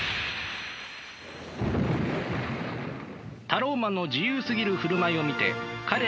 タローマンの自由すぎる振る舞いを見て彼らは思った。